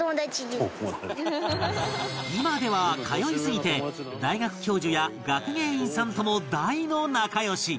今では通いすぎて大学教授や学芸員さんとも大の仲良し